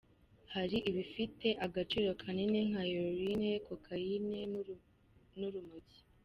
Hari ibifite agaciro kanini, nka heroine, cocaine n’urumogi.